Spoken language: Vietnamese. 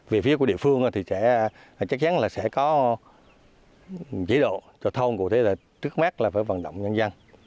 về phía của địa phương thì chắc chắn là sẽ có chế độ cho thôn cổ thế là trước mắt là phải vận động nhân dân